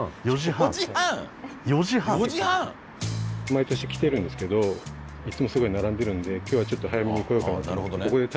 毎年来てるんですけどいつもすごい並んでるんで今日はちょっと早めに来ようかなと思って。